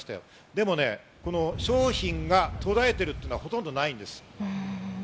でも商品が途絶えているのはほとんどないんです。